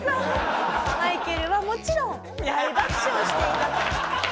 マイケルはもちろん大爆笑していたと。